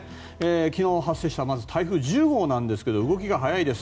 昨日、発生した台風１０号なんですが動きが速いです。